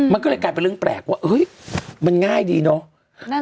มันก็เลยกลายเป็นเรื่องแปลกว่าเฮ้ยมันง่ายดีเนาะ